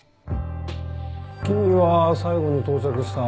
君は最後に到着した。